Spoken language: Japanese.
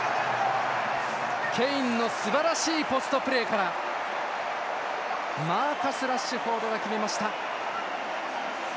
ケインのすばらしいポストプレーからマーカス・ラッシュフォードが決めました。